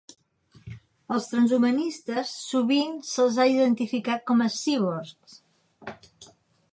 Als transhumanistes sovint se'ls ha identificat com a cíborgs.